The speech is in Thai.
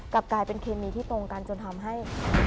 กลับกลายเป็นเคมีที่ตรงกันจนทำให้